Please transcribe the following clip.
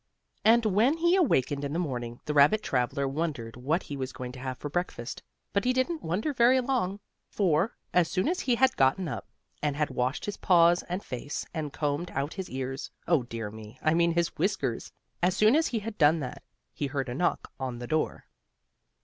And when he awakened in the morning the rabbit traveler wondered what he was going to have for breakfast. But he didn't wonder very long. For, as soon as he had gotten up, and had washed his paws and face, and combed out his ears oh, dear me I mean his whiskers as soon as he had done that, he heard a knock on the door.